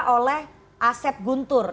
oleh asep guntur